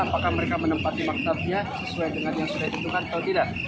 apakah mereka menempati maktabnya sesuai dengan yang sudah ditentukan atau tidak